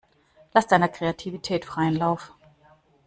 Lass deiner Kreativität freien Lauf.